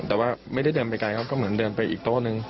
แต่ว่าไม่ได้เดินไปไกลครับก็เหมือนเดินไปอีกโต๊ะนึง